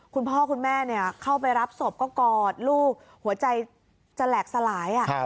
คุณพ่อคุณแม่เข้าไปรับศพก็กอดลูกหัวใจจะแหลกสลาย